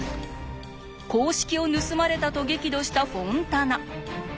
公式を盗まれたと激怒したフォンタナ。